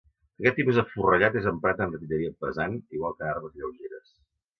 Aquest tipus de forrellat és emprat en artilleria pesant, igual que en armes lleugeres.